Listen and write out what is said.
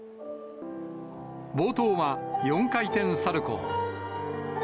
冒頭は４回転サルコー。